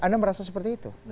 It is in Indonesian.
anda merasa seperti itu